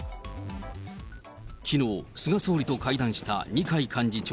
きのう、菅総理と会談した二階幹事長。